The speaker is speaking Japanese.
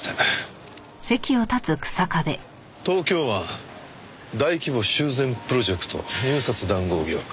東京湾大規模修繕プロジェクト入札談合疑惑。